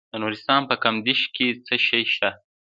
د نورستان په کامدیش کې څه شی شته؟